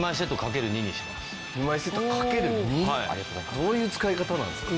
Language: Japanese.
どういう使い方なんですか？